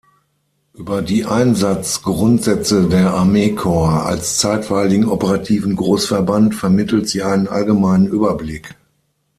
Über die Einsatzgrundsätze der Armeekorps als zeitweiligen operativen Großverband vermittelt sie einen allgemeinen Überblick.